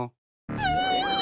え！